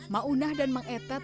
ma'unah dan mang etet